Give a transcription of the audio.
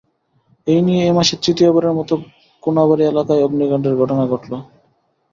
এ নিয়ে এই মাসে তৃতীয়বারের মতো কোনাবাড়ী এলাকায় অগ্নিকাণ্ডের ঘটনা ঘটল।